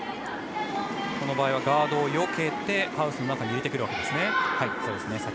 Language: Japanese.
この場合はガードをよけてハウスの中に入れるんですね。